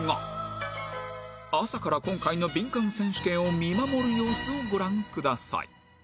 朝から今回のビンカン選手権を見守る様子をご覧ください